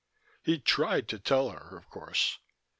He'd tried to tell her, of course.